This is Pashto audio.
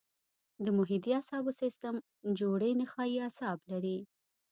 د محیطي اعصابو سیستم جوړې نخاعي اعصاب لري.